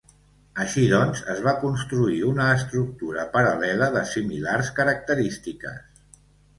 Així doncs, es va construir una estructura paral·lela de similars característiques.